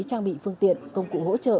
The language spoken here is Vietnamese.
trang bị phương tiện công cụ hỗ trợ